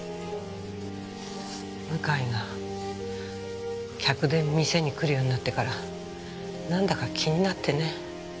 向井が客で店に来るようになってからなんだか気になってね。